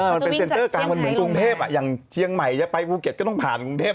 มันเป็นเซ็นเตอร์กลางวันเหมือนกรุงเทพอย่างเชียงใหม่จะไปภูเก็ตก็ต้องผ่านกรุงเทพ